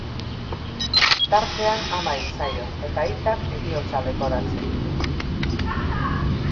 Tartean ama hil zaio eta aitak heriotza leporatzen dio.